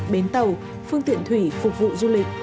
bến tàu phương tiện thủy phục vụ du lịch